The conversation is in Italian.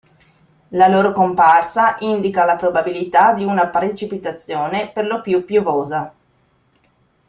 La loro comparsa indica la probabilità di una precipitazione, per lo più piovosa.